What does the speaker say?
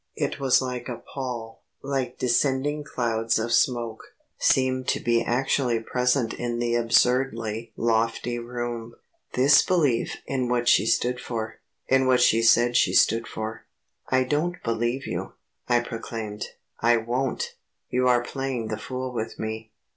It was like a pall, like descending clouds of smoke, seemed to be actually present in the absurdly lofty room this belief in what she stood for, in what she said she stood for. "I don't believe you," I proclaimed, "I won't.... You are playing the fool with me